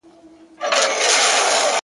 د غم او د ښادۍ کمبلي ورکي دي له خلکو!!